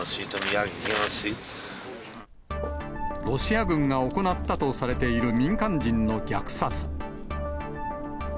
ロシア軍が行ったとされている民間人の虐殺。